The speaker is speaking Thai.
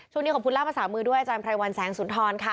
ช่วงนี้ขอบคุณล่ามภาษามือด้วยอาจารย์ไพรวัลแสงสุนทรค่ะ